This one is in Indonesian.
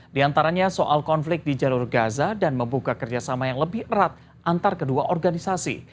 di antaranya soal konflik di jalur gaza dan membuka kerjasama yang lebih erat antar kedua organisasi